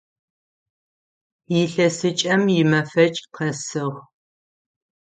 Илъэсыкӏэм имэфэкӏ къэсыгъ.